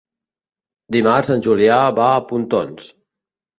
Dimarts en Julià va a Pontons.